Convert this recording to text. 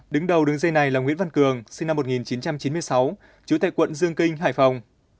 đứng đầu đường dây này là nguyễn văn cường sinh năm một nghìn chín trăm chín mươi sáu trú tại quận dương kinh hải phòng